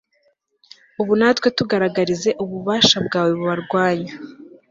ubu natwe tugaragarize ububasha bwawe bubarwanya